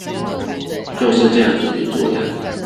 就是這樣子運作的